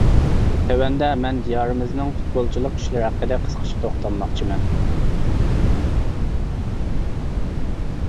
تۆۋەندە مەن دىيارىمىزنىڭ پۇتبولچىلىق ئىشلىرى ھەققىدە قىسقىچە توختالماقچىمەن.